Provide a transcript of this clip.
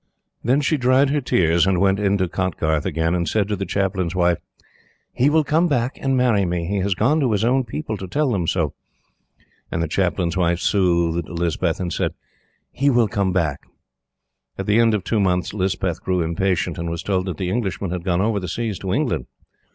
Then she dried her tears and went in to Kotgarth again, and said to the Chaplain's wife: "He will come back and marry me. He has gone to his own people to tell them so." And the Chaplain's wife soothed Lispeth and said: "He will come back." At the end of two months, Lispeth grew impatient, and was told that the Englishman had gone over the seas to England.